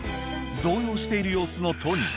動揺している様子のトニー。